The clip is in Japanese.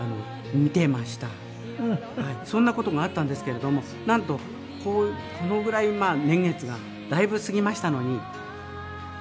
そんな事があったんですけれどもなんとこのぐらい年月がだいぶ過ぎましたのに。